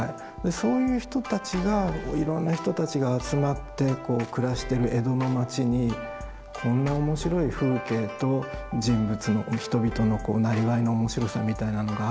そういう人たちがいろんな人たちが集まってこう暮らしてる江戸の町にこんな面白い風景と人物の人々のこうなりわいの面白さみたいなのがあるんだなって